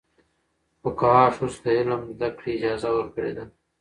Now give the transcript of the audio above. فقهاء ښځو ته د علم زده کړې اجازه ورکړې ده.